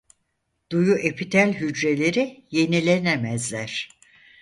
Duyu epitel hücreleri yenilenemezler.